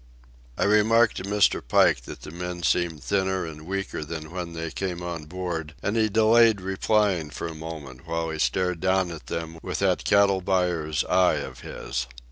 I remarked to Mr. Pike that the men seemed thinner and weaker than when they came on board, and he delayed replying for a moment while he stared down at them with that cattle buyer's eye of his.